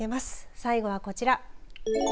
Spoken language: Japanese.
最後はこちら。